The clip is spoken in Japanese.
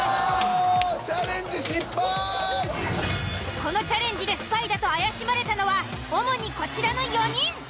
このチャレンジでスパイだと怪しまれたのは主にこちらの４人。